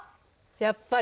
やっぱり！